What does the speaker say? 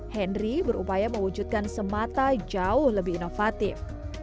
henry berupaya mewujudkan semata jauh lebih inovatif